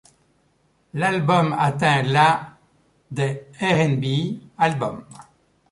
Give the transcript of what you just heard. L'album atteint la des ' R&B Albums.